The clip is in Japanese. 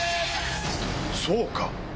そうか！